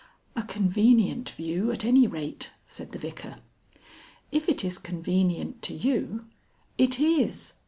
"A convenient view, at any rate," said the Vicar. "If it is convenient to you " "It is.